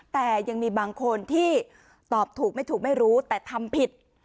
แต่ยังมีบางคนที่ตอบถูกไม่ถูกไม่รู้แต่ทำผิด